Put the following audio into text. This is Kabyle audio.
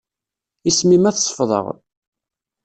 Isem-im ad t-sefḍeɣ.